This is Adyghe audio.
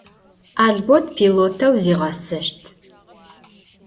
Albot piloteu ziğeseşt.